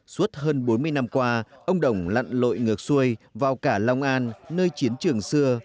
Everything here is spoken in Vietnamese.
suốt hơn bốn mươi năm qua ông đồng lặn lội ngược xuôi vào cả long an nơi chiến trường xưa